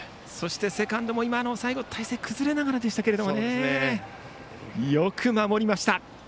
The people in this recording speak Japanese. セカンドも最後、体勢崩れながらでしたがよく守りました。